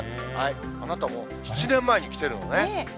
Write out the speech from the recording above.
あなたも７年前に来てるのね。